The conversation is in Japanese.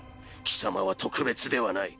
貴様は特別ではない。